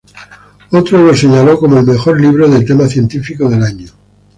Otro lo señaló como el mejor libro de tema científico del año.